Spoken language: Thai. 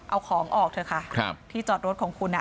เอาของออกเถอะค่ะที่จอดรถของคุณ